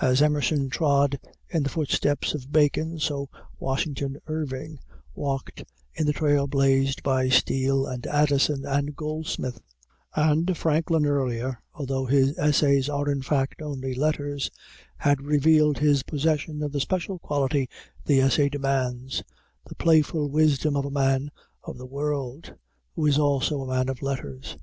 As Emerson trod in the footsteps of Bacon so Washington Irving walked in the trail blazed by Steele and Addison and Goldsmith; and Franklin earlier, although his essays are in fact only letters, had revealed his possession of the special quality the essay demands, the playful wisdom of a man of the world who is also a man of letters.